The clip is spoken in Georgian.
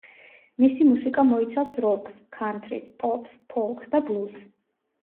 მისი მუსიკა მოიცავს როკს, ქანთრის, პოპს, ფოლკს და ბლუზს.